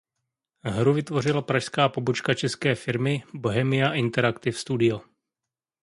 Hru vytvořila pražská pobočka české firmy Bohemia Interactive Studio.